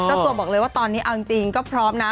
เจ้าตัวบอกเลยว่าตอนนี้เอาจริงก็พร้อมนะ